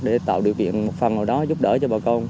để tạo điều kiện một phần nào đó giúp đỡ cho bà con